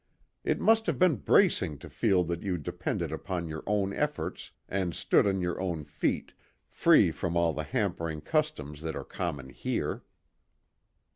"It must have been bracing to feel that you depended upon your own efforts and stood on your own feet, free from all the hampering customs that are common here."